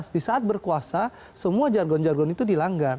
di saat berkuasa semua jargon jargon itu dilanggar